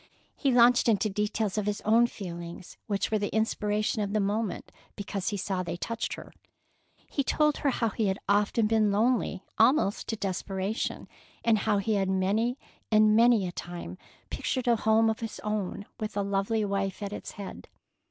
He launched into details of his own feelings which were the inspiration of the moment, because he saw they touched her. He told her how he had often been lonely almost to desperation, and how he had many and many a time pictured a home of his own, with a lovely wife at its head.